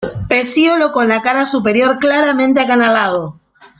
Pecíolo con la cara superior claramente acanalado.